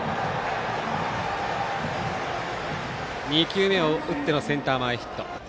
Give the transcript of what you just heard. ２球目を打ってのセンター前ヒット。